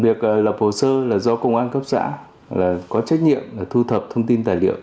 việc lập hồ sơ là do công an cấp xã có trách nhiệm thu thập thông tin tài liệu